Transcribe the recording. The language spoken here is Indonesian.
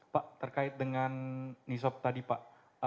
pak terkait dengan nisob tadi pak